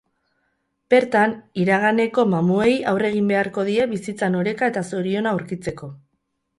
Bertan, iraganeko mamuei aurre egin beharko die bizitzan oreka eta zoriona aurkitzeko.